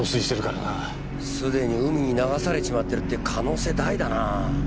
すでに海に流されちまってるって可能性大だなぁ。